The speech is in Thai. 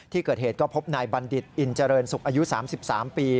ที่เกิดเหตุก็พบนายบัณฑิตอินเจริญศุกร์อายุ๓๓ปี